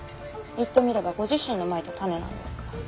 言ってみればご自身のまいた種なんですから。